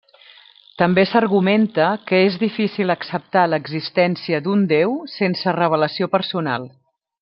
També s'argumenta que és difícil acceptar l'existència d'un déu sense revelació personal.